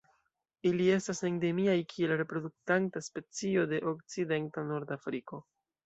Ili estas endemiaj kiel reproduktanta specio de okcidenta Nordafriko.